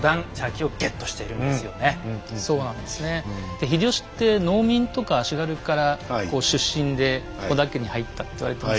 で秀吉って農民とか足軽から出身で織田家に入ったって言われてますよね。